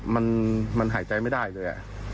มันก็มันหายใจไม่ได้เลย